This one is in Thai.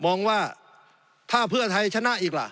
มองว่าถ้าเพื่อไทยชนะอีกล่ะ